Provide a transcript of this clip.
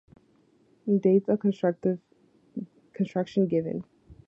Dates of construction given.